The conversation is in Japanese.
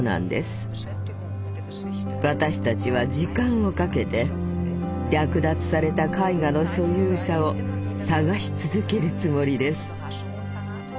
私たちは時間をかけて略奪された絵画の所有者を捜し続けるつもりです。